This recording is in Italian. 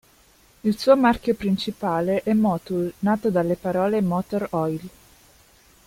Il suo marchio principale è Motul, nato dalle parole "motor oil".